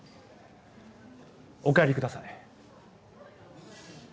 お帰りください。